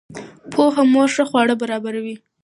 پوهه مور ښه خواړه برابروي.